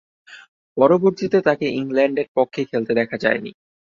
পরবর্তীতে আর তাকে ইংল্যান্ডের পক্ষে খেলতে দেখা যায়নি।